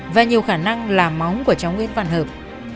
và nhiều khả năng là máu của chóng nguyễn văn hợp